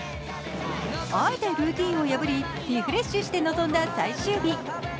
あえてルーチンを破りリフレッシュして臨んだ最終日。